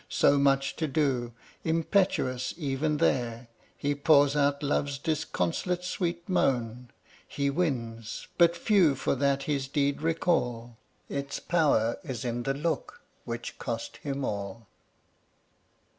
So much to do; impetuous even there, He pours out love's disconsolate sweet moan He wins; but few for that his deed recall: Its power is in the look which costs him all.